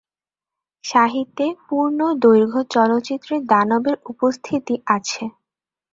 সাহিত্যে, পূর্ণদৈর্ঘ্য চলচ্চিত্রে দানবের উপস্থিতি আছে।